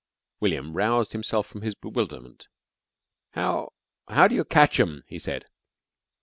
William roused himself from his bewilderment. "How how do you catch 'em?" he said.